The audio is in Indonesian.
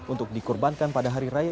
untuk dikorbankan pada hari raya